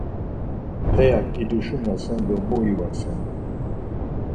Heyak iduşinasen do mu ivasen.